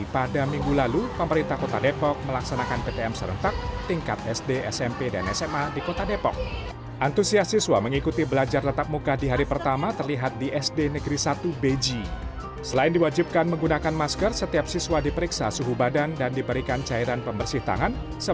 pembelajaran pembersih tangan